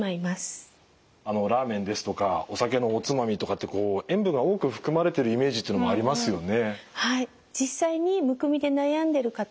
あのラーメンですとかお酒のおつまみとかってこう塩分が多く含まれてるイメージってのもありますよね。